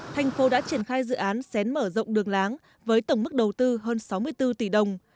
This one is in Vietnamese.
thành phố đã triển khai dự án xén mở rộng đường láng với tổng mức đầu tư hơn sáu mươi bốn tỷ đồng